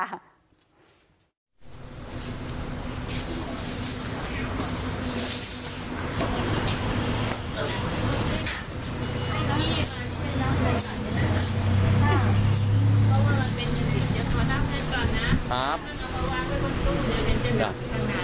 เดี๋ยวขอนับเต็มก่อนนะครับ